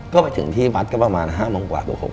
ก็ไปถึงที่วัดก็ประมาณ๕๖โมง